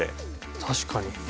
確かに。